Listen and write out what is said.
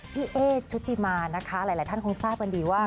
เอ๊ชุติมานะคะหลายท่านคงทราบกันดีว่า